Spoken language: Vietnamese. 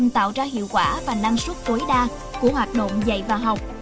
tạo ra hiệu quả và năng suất tối đa của hoạt động dạy và học